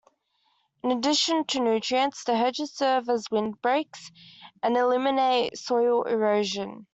In addition to nutrients, the hedges serve as windbreaks and eliminate soil erosion.